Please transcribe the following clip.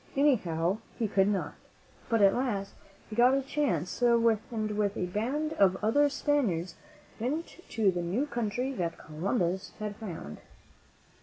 Anyhow, he could not. But at last he got a chance, and with a band of other Spaniards went to the new country that Columbus had found.